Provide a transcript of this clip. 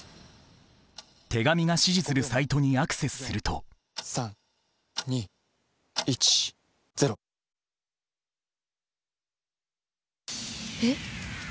手紙が指示するサイトにアクセスすると３２１０。え。